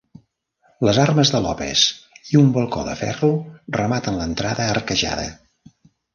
Les armes de Lopes i un balcó de ferro rematen l'entrada arquejada.